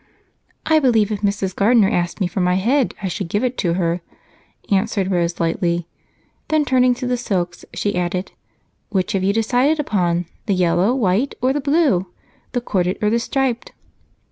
"I believe if Mrs. Gardener asked me for my head I should give it to her," answered Rose lightly, then, turning to the silks, she asked, "Which have you decided upon, the yellow white or the blue, the corded or the striped?"